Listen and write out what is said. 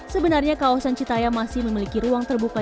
sebenarnya kawasan citaya masih memiliki ruang terbuka